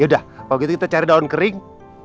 yaudah kalo gitu kita cari daun kering